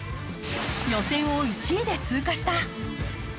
予選を１位で通過した。